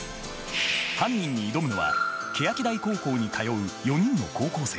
犯人に挑むのは欅台高校に通う４人の高校生。